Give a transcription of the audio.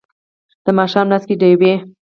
د ماښام لاس کې ډیوې